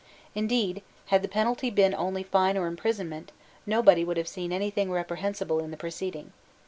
Indeed, had the penalty been only fine or imprisonment, nobody would have seen any thing reprehensible in the proceeding.